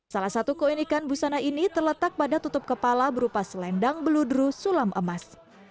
salah satu koin ikan busana ini terletak pada tutup kepala berupa selendang beludru sulam emas